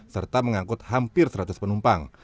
serta mengangkut hampir seratus penumpang